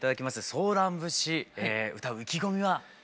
「ソーラン節」歌う意気込みは？